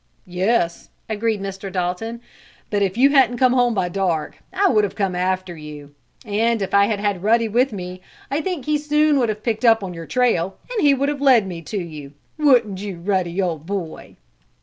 "Yes," agreed Mr. Dalton. "But if you hadn't come home by dark I would have come after you, and if I had had Ruddy with me I think he soon would have picked up your trail, and he would have led me to you; wouldn't you, Ruddy old boy?"